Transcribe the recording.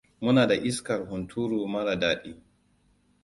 Muna da iskar hunturu mara daɗi.